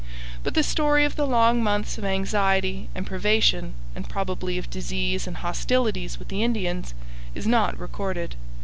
But the story of the long months of anxiety and privation, and probably of disease and hostilities with the Indians, is not recorded.